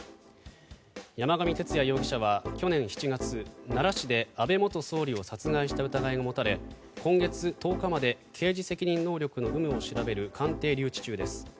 山上徹也容疑者は去年７月奈良市で安倍元総理を殺害した疑いが持たれ今月１０日まで刑事責任能力の有無を調べる鑑定留置中です。